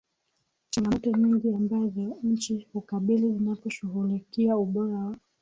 changamoto nyingi ambazo nchi hukabili zinaposhughulikia ubora wa